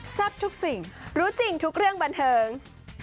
ทุกสิ่งรู้จริงทุกเรื่องบันเทิง